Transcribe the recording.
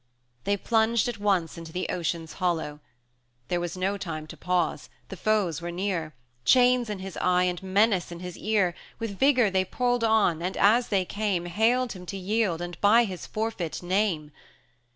Then plunged at once into the Ocean's hollow. 60 There was no time to pause the foes were near Chains in his eye, and menace in his ear; With vigour they pulled on, and as they came, Hailed him to yield, and by his forfeit name.